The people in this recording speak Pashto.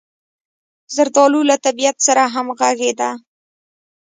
زردالو له طبعیت سره همغږې ده.